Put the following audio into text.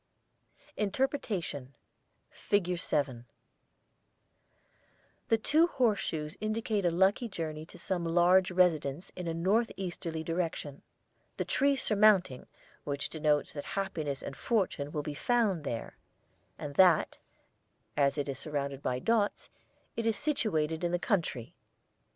INTERPRETATION FIG. 7 The two horse shoes indicate a lucky journey to some large residence in a north easterly direction, the tree surmounting which denotes that happiness and fortune will be found there and that (as it is surrounded by dots) it is situated in the country.